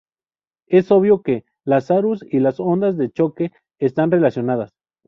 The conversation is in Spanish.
Es obvio que Lazarus y las ondas de choque están relacionadas.